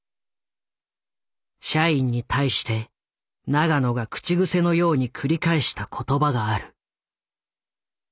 社員に対して永野が口癖のように繰り返した言葉がある。